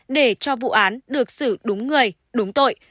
để cho vụ án được xử đúng người đúng tội